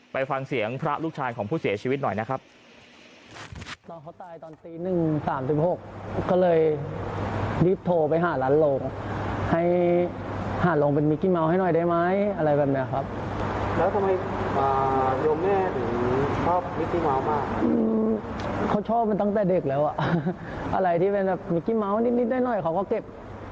ไปฟังเสียงพระลูกชายของผู้เสียชีวิตหน่อยนะครับ